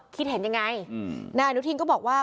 คิดเห็นยังไงนายอนุทินก็บอกว่า